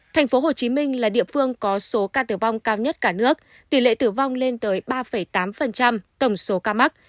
tp hcm là địa phương có số ca tử vong cao nhất cả nước tỷ lệ tử vong lên tới ba tám tổng số ca mắc